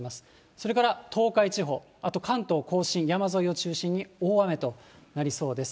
それから東海地方、あと関東甲信、山沿いを中心に大雨となりそうです。